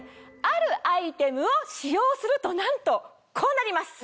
あるアイテムを使用するとなんとこうなります。